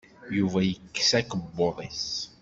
Yuba yekkes akebbuḍ-is.